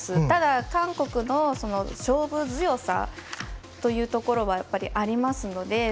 ただ韓国の勝負強さというところはやっぱり、ありますので。